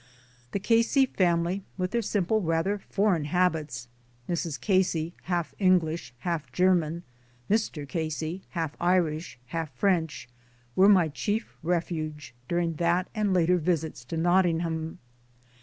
The Casey family with their simple rather foreign habits (Mrs. Casey half English, half German, Mr. Casey half Irish, half French) were my chief refuge during that and later visits to Notting ham.